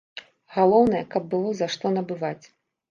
Галоўнае, каб было, за што набываць!